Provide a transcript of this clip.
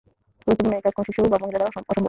গুরুত্বপূর্ণ এ কাজ কোন শিশু বা মহিলা দ্বারাও অসম্ভব।